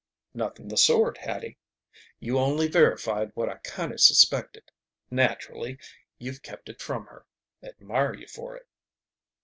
"Nothin' the sort, Hattie. You only verified what I kinda suspected. Naturally, you've kept it from her. Admire you for it."